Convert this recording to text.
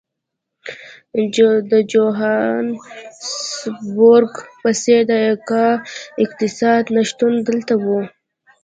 د جوهانسبورګ په څېر د کا اقتصاد نه شتون دلته وو.